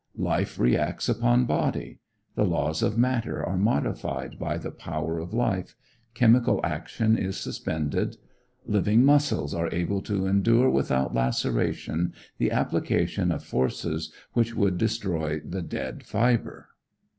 Life reacts upon body. The laws of matter are modified by the power of life, chemical action is suspended, living muscles are able to endure without laceration the application of forces which would destroy the dead fibre.